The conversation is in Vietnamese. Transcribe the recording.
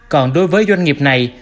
còn đối với doanh nghiệp này